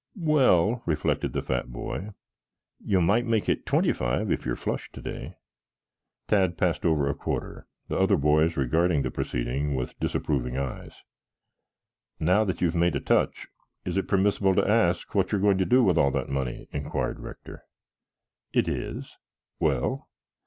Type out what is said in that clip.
"Well," reflected the fat boy, "you might make it twenty five if you are flush today." Tad passed over a quarter, the other boys regarding the proceeding with disapproving eyes. "Now that you have made a touch, is it permissible to ask what you are going to do with all that money?" inquired Rector. "It is." "Well?"